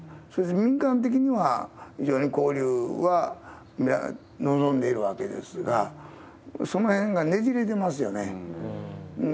そして民間的には、非常に交流は望んでいるわけですが、そのへんがねじれてますよね。